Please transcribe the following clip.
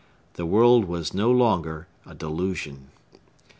The world was no longer a delusion.